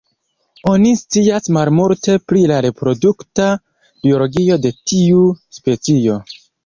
Oni scias malmulte pri la reprodukta biologio de tiu specio.